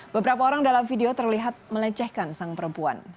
beberapa orang dalam video terlihat melecehkan sang perempuan